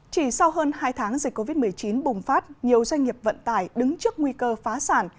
chỉ sau hơn hai tháng dịch covid một mươi chín bùng phát nhiều doanh nghiệp vận tải đứng trước nguy cơ phá sản